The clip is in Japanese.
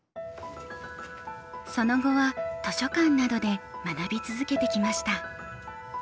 その後は図書館などで学び続けてきました。